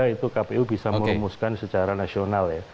itu kpu bisa merumuskan secara nasional ya